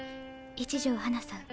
一条花さん。